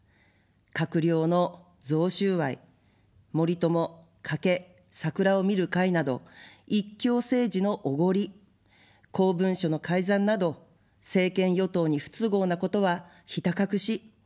閣僚の贈収賄、森友・加計・桜を見る会など一強政治のおごり、公文書の改ざんなど政権与党に不都合なことはひた隠し。